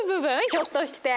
ひょっとして。